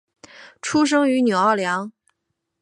出生于纽奥良。